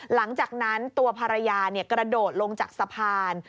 หลังจากนั้นตัวภรรยากระโดดลงจากสะพาน